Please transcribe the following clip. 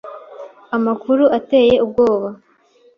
amakuru ateye ubwoba. ”